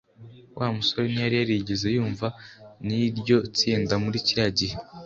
Wa musore ntiyari yarigeze yumva n'iryo tsinda muri kiriya gihe